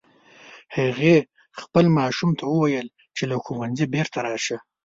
هغې خپل ماشوم ته وویل چې له ښوونځي بیرته راشه